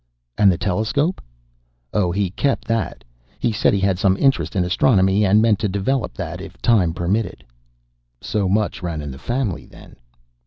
"And the telescope?" "Oh, he kept that. He said he had some interest in astronomy and meant to develop that if time permitted." "So much ran in the family, then."